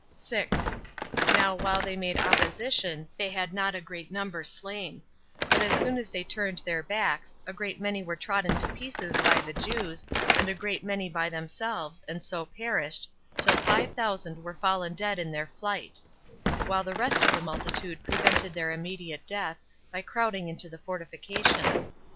6. Now while they made opposition, they had not a great number slain; but as soon as they turned their backs, a great many were trodden to pieces by the Jews, and a great many by themselves, and so perished, till five thousand were fallen down dead in their flight, while the rest of the multitude prevented their immediate death, by crowding into the fortification.